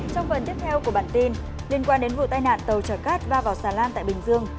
trong phần tiếp theo của bản tin liên quan đến vụ tai nạn tàu trở cát và vào xà lan tại bình dương